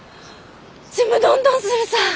ちむどんどんするさー。